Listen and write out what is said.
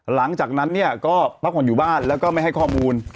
หลังจากนั้นเนี่ยก็พักผ่อนอยู่บ้านแล้วก็ไม่ให้ข้อมูล